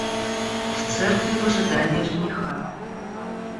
В церкви в ожидании жениха.